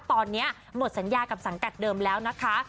ตอนนี้หมดสัญญากับสังกัดเดิมแล้วนะคะ